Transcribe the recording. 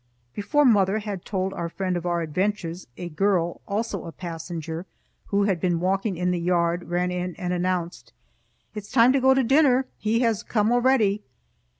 Before mother had told our friend of our adventures, a girl, also a passenger, who had been walking in the yard, ran in and announced, "It's time to go to dinner! He has come already."